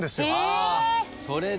それで。